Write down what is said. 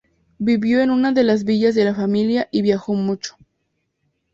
Vivió en una de las Villas de la familia y viajó mucho.